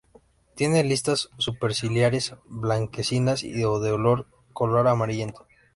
Tiene listas superciliares blanquecinas o de color amarillo pálido.